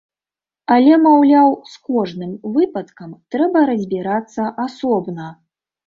Але, маўляў, з кожным выпадкам трэба разбірацца асобна.